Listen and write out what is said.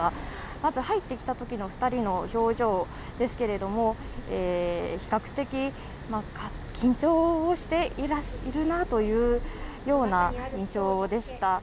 まず入ってきたときの２人の表情ですけれども比較的、緊張しているなというような印象でした。